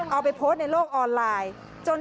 เอาไปโพสต์ในโลกออนไลน์